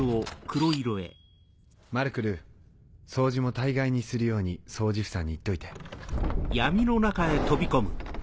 マルクル掃除も大概にするように掃除婦さんに言っといて。